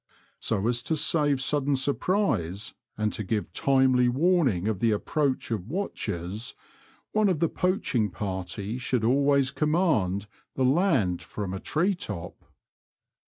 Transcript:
So as to save sudden surprise, and to give timely warning of the approach of watchers, one of the poaching party should always command the land from a tree top.